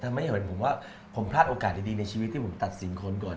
ไม่เห็นผมว่าผมพลาดโอกาสดีในชีวิตที่ผมตัดสินคนก่อน